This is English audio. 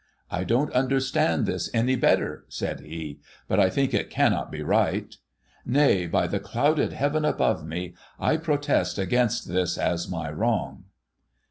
' I don't understand this any the better,' said he ;' but I think it cannot be right. Nay, by the clouded Heaven above me, I protest against this as my wrong